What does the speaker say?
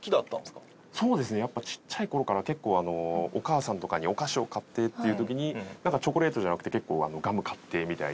そうですねやっぱちっちゃい頃から結構お母さんとかにお菓子を買ってっていう時にチョコレートじゃなくて結構ガム買ってみたいに言ってたりしてましたし。